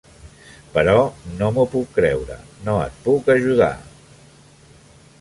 Però no m'ho puc creure! No et puc ajudar!